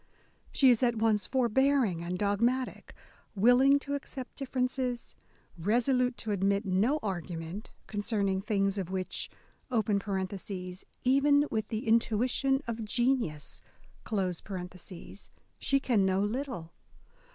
She is at once forbear ing and dogmatic ; willing to accept differences, resolute to admit no argument ... concerning things of which (even with the intuition of genius) she can know little